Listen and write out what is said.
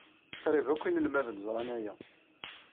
Qrib akk inelmaden ẓran aya.